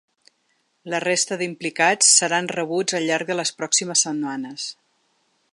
La resta d’implicats seran rebuts al llarg de les pròximes setmanes.